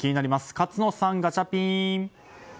勝野さん、ガチャピン。